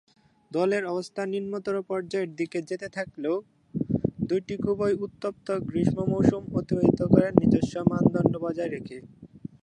দলের অবস্থা নিম্নতর পর্যায়ের দিকে যেতে থাকলেও দুইটি খুবই উত্তপ্ত গ্রীষ্ম মৌসুম অতিবাহিত করেন নিজস্ব মানদণ্ড বজায় রেখে।